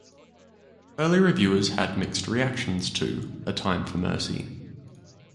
Early reviewers had mixed reactions to "A Time for Mercy".